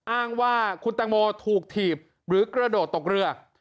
อ้างว่าคุณตังโมถูกถีบหรือกระโดดตกเรือ